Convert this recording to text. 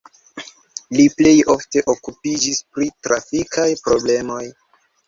Li plej ofte okupiĝis pri trafikaj problemoj.